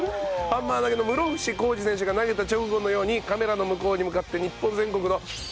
ハンマー投げの室伏広治選手が投げた直後のようにカメラの向こうに向かって日本全国の。